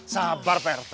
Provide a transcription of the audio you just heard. sabar pak rt